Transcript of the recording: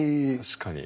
確かに。